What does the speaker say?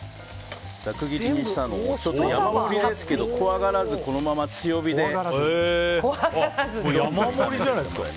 ざく切りにしたのを山盛りですけど怖がらず山盛りじゃないですか。